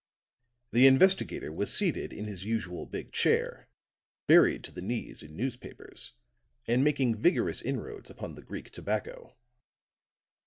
The investigator was seated in his usual big chair, buried to the knees in newspapers, and making vigorous inroads upon the Greek tobacco.